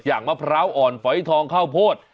มะพร้าวอ่อนฝอยทองข้าวโพด